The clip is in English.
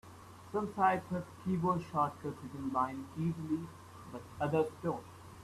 Some sites have keyboard shortcuts you can bind easily, but others don't.